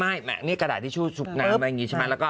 อ่าไม่นี่กระดาษทิชชู่สุกหนามอย่างนี้ใช่ไหม